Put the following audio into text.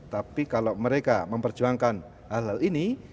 tapi kalau mereka memperjuangkan hal hal ini